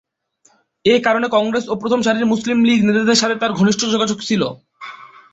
এ কারণে কংগ্রেস ও প্রথম সারির মুসলিম লীগ নেতাদের সাথে তার ঘনিষ্ঠ যোগাযোগ ছিলো।